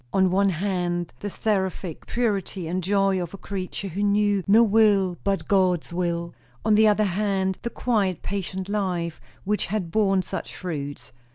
On one hand, the seraphic purity and joy of a creature who knew no will but God's will; on the other hand, the quiet, patient life, which had borne such fruits.